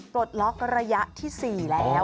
ตรวจล็อกระยะที่๔แล้วอ๋อใช่